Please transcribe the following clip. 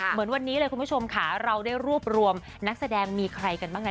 เหมือนวันนี้เลยคุณผู้ชมค่ะเราได้รวบรวมนักแสดงมีใครกันบ้าง